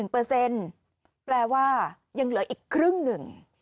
๔๙๑เปอร์เซ็นต์แปลว่ายังเหลืออีกครึ่งหนึ่ง